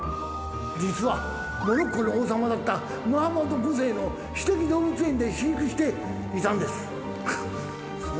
実はモロッコの王様だったムハンマド５世の私的動物園で飼育していたんです。